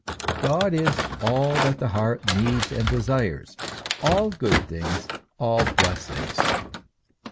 God is all that the heart needs and desires all good things, all blessings.